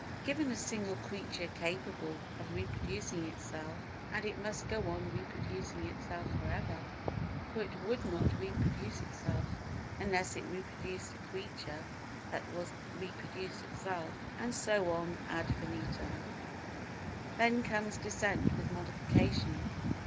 Given a single creature capable of reproducing itself and it must go on reproducing itself for ever, for it would not reproduce itself, unless it reproduced a creature that was going to reproduce itself, and so on ad infinitum. Then comes Descent with Modification.